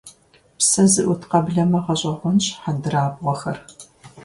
Псэ зыӀут къэблэмэ гъэщӏэгъуэнщ хьэндырабгъуэхэр.